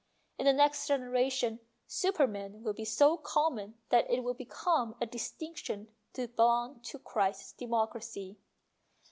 In the next generation super men will be so common that it will become a distinction to belong to Christ's democracy.